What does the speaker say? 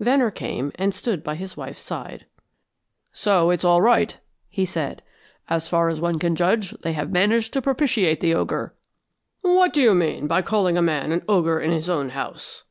Venner came and stood by his wife's side. "So that's all right," he said. "As far as one can judge, they have managed to propitiate the ogre." "What do you mean by calling a man an ogre in his own house?"